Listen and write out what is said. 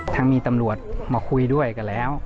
ถ้ามีตำรวจมาคุยด้วยกันแล้ว